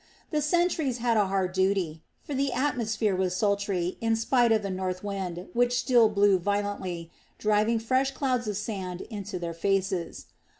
The sentries had a hard duty; for the atmosphere was sultry, in spite of the north wind, which still blew violently, driving fresh clouds of sand into their faces.